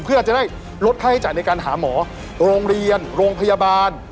เพื่อจะได้ลดค่าใช้จ่ายในการหาหมอโรงเรียนโรงพยาบาล